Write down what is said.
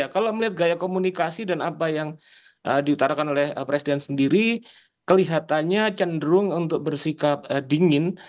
kalau melihat gaya komunikasi dan apa yang diutarakan oleh presiden sendiri kelihatannya cenderung untuk bersikap dingin